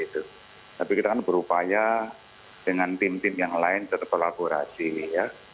tapi kita kan berupaya dengan tim tim yang lain tetap kolaborasi ya